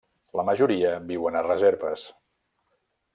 La majoria viuen a reserves.